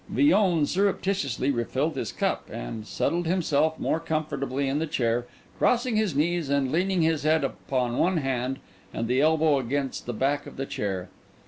Villon surreptitiously refilled his cup, and settled himself more comfortably in the chair, crossing his knees and leaning his head upon one hand and the elbow against the back of the chair.